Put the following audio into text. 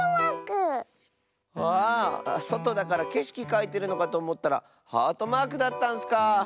わあそとだからけしきかいてるのかとおもったらハートマークだったんスかあ。